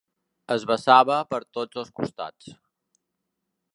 Es vessava per tots els costats.